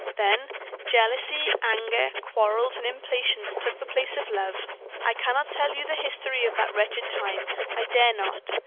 "Then jealousy, anger, quarrels, and impatience took the place of love. I cannot tell you the history of that wretched time I dare not.